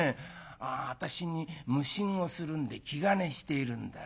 私に無心をするんで気兼ねしているんだねぇ。